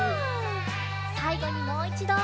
さいごにもういちど。